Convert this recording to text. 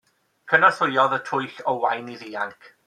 Cynorthwyodd y twyll Owain i ddianc.